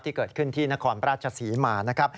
ที่เกิดขึ้นที่นครประราชสีมาร์